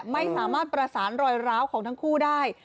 ไม่สามารถประสานรอยร้าวของทั้งคู่ได้